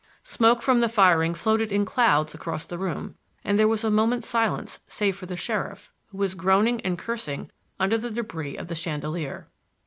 Smoke from the firing floated in clouds across the room, and there was a moment's silence save for the sheriff, who was groaning and cursing under the debris of the chandelier.